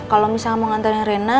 kalau misalnya mau hantar rina